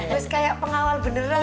bos kayak pengawal beneran